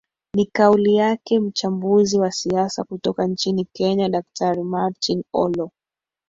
ni kauli yake mchambuzi wa siasa kutoka nchini kenya daktari martin ollo